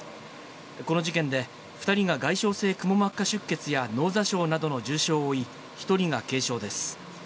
この事件で、２人が外傷性くも膜下出血や脳挫傷などの重傷を負い、１人が軽傷です。